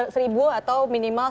seribu atau minimal